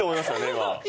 今。